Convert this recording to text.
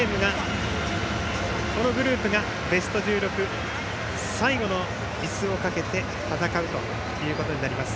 このグループがベスト１６最後のいすをかけて戦うことになります。